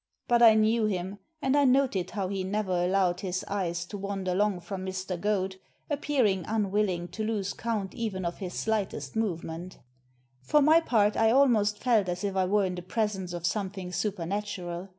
But I knew him, and I noted how he never allowed his eyes to wander long from Mr. Goad, appearing unwilling to lose count even of his slightest movement For my part, I almost felt as if I were in the presence of something supernatural.